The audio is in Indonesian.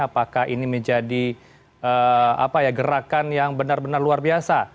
apakah ini menjadi gerakan yang benar benar luar biasa